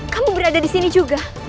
kamu berada disini juga